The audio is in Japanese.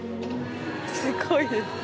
すごいです。